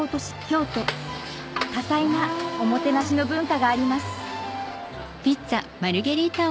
京都多彩なおもてなしの文化があります